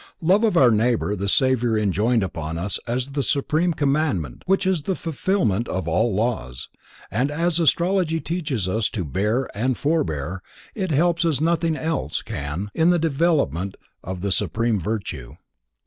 Love of our neighbor the Savior enjoined upon us as the Supreme Commandment which is the fulfillment of all laws, and as Astrology teaches us to bear and forbear, it helps as nothing else can in the development of the supreme virtue.